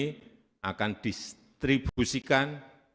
kita akan mengistribusikan